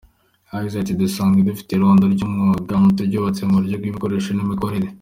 Yagize ati “Dusanzwe dufite irondo ry’umwuga, twaryubatse mu buryo bw’ibikoresho n’imikorere.